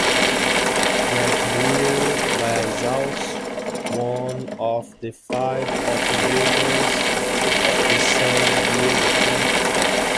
Greg Bear was also one of the five co-founders of the San Diego Comic-Con.